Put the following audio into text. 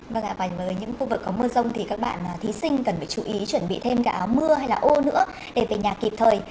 vâng ạ và với những khu vực có mưa rông thì các bạn thí sinh cần phải chú ý chuẩn bị thêm cả áo mưa hay là ô nữa để về nhà kịp thời